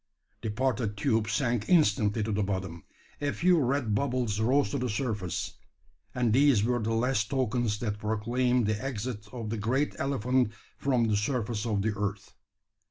The parted tube sank instantly to the bottom; a few red bubbles rose to the surface; and these were the last tokens that proclaimed the exit of that great elephant from the surface of the earth.